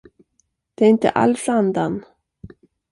Det är inte alls andan.